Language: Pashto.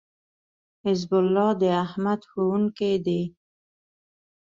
حزب الله داحمد ښوونکی دی